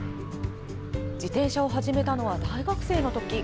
自転車を始めたのは大学生のとき。